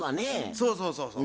そうそうそうそう。